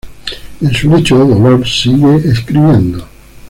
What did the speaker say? En su lecho de dolor sigue escribiendo.